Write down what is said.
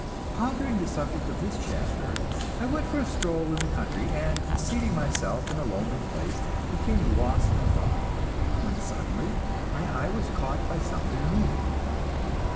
Pondering the subject of this chapter, I went for a stroll in the country, and seating myself in a lonely place, became lost in thought; when suddenly my eye was caught by something moving.